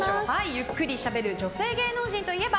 ゆっくりしゃべる女性芸能人といえば？